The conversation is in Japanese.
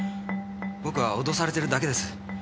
僕は脅されてるだけです。